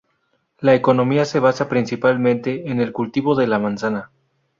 La economía se basa principalmente en el cultivo de la manzana.